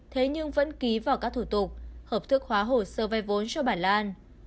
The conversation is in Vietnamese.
thế nhưng vẫn ký vào các thủ tục hợp thức hóa hồ sơ vay vốn cho bà lan